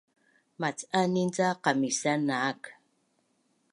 Macanin ca qamisan naak